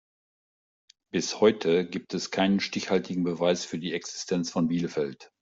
Bis heute gibt es keinen stichhaltigen Beweis für die Existenz von Bielefeld.